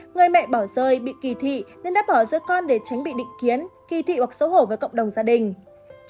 người mẹ bỏ rơi bị kỳ thị nên đã bỏ giữa con để tránh bị định kiến kỳ thị hoặc xấu hổ với cộng đồng gia đình